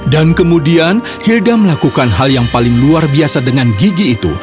dan kemudian hilda melakukan hal yang paling luar biasa dengan gigi itu